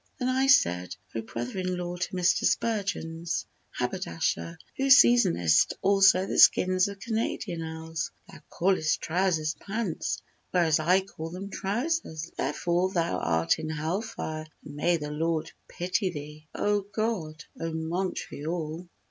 Then I said, "O brother in law to Mr. Spurgeon's haberdasher, Who seasonest also the skins of Canadian owls, Thou callest trousers 'pants,' whereas I call them 'trousers,' Therefore thou art in hell fire and may the Lord pity thee!" O God! O Montreal!